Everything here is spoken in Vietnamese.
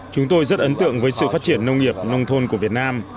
chúng tôi rất ấn tượng với sự phát triển nông nghiệp nông thôn của việt nam